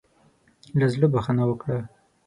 له زړۀ بخښنه وکړه.